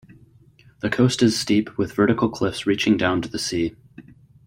The coast is steep with vertical cliffs reaching down to the sea.